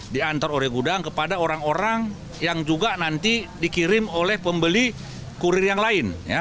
diantar oleh gudang kepada orang orang yang juga nanti dikirim oleh pembeli kurir yang lain